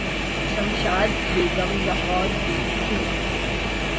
شمشاد بیگم لاہورکی تھیں۔